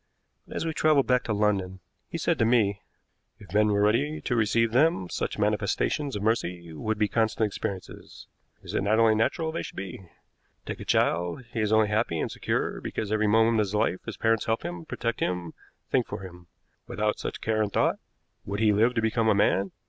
But as we traveled back to London, he said to me: "If men were ready to receive them, such manifestations of mercy would be constant experiences. Is it not only natural they should be? Take a child; he is only happy and secure because every moment of his life his parents help him, protect him, think for him. Without such care and thought, would he live to become a man?